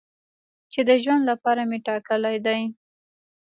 چې د ژوند لپاره مې ټاکلی دی.